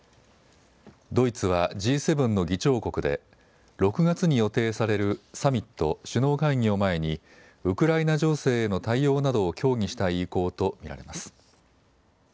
ドイツはＧ７の議長国で６月に予定されるサミット・首脳会議を前にウクライナ情勢への対応などを協議したい意向と見られます。